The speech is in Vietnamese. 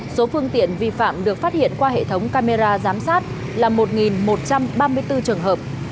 số phương tiện vi phạm được phát hiện qua hệ thống camera giám sát là một một trăm ba mươi bốn trường hợp